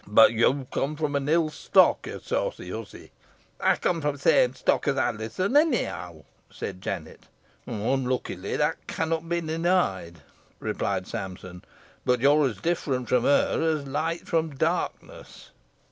But you come of an ill stock, ye saucy hussy." "Ey come fro' th' same stock as Alizon, onny how," said Jennet. "Unluckily that cannot be denied," replied Sampson; "but you're as different from her as light from darkness."